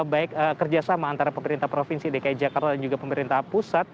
baik kerjasama antara pemerintah provinsi dki jakarta dan juga pemerintah pusat